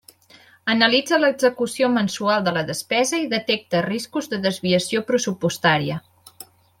Analitza l'execució mensual de la despesa i detecta riscos de desviació pressupostària.